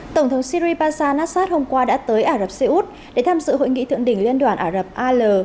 tổng thống syri passa nassad hôm qua đã tới ả rập xê út để tham dự hội nghị thượng đỉnh liên đoàn ả rập al